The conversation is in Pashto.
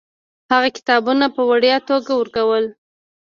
هغه کتابونه په وړیا توګه ورکول.